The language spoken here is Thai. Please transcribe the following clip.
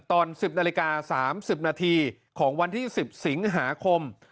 ตอนสิบนาฬิกาสามสิบนาทีของวันที่สิบสิงหาคมอ่า